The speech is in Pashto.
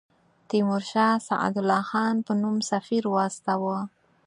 تیمورشاه سعدالله خان په نوم سفیر واستاوه.